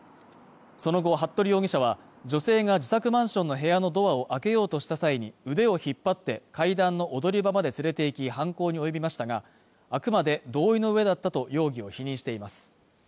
その後、服部容疑者は女性が自宅マンションの部屋のドアを開けようとした際に腕を引っ張って階段の踊り場まで連れて行き犯行におよびましたが、あくまで同意の上だったと容疑を否認しています。